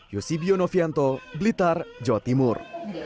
yosibio novianto blitar jawa timur